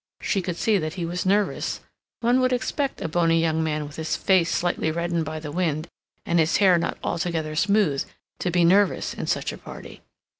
She could see that he was nervous; one would expect a bony young man with his face slightly reddened by the wind, and his hair not altogether smooth, to be nervous in such a party.